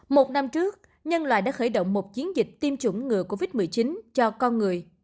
một năm trước nhân loại đã khởi động một chiến dịch tiêm chủng ngừa covid một mươi chín cho con người